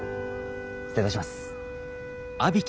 失礼いたします。